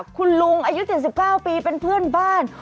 คุณลุงอายุ๗๙ปีเป็นเพื่อนบ้าน